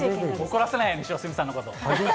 怒らせないようにしよう、鷲見さんのこと。